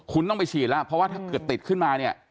คุณต้องไปฉีดแล้วเพราะว่าถ้าเกิดติดขึ้นมาเนี่ย